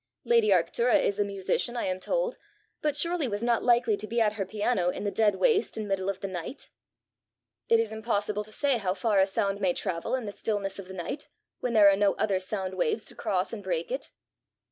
Lady Arctura is a musician, I am told, but surely was not likely to be at her piano 'in the dead waste and middle of the night'!" "It is impossible to say how far a sound may travel in the stillness of the night, when there are no other sound waves to cross and break it."